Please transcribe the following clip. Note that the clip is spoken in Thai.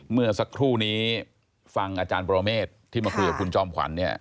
เมื่อสักครู่นี้ฟังอาจารย์ปรเมฆที่มาคุยกับคุณจอมขวัญเนี่ย